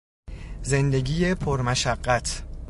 زندگی پرمشقت